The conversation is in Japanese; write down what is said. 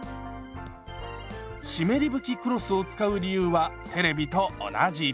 湿り拭きクロスを使う理由はテレビと同じ。